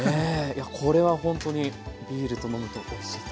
いやこれはほんとにビールと飲むとおいしい。